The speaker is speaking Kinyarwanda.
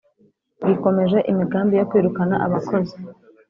Gikomeje imigambi yo kwirukana abakozi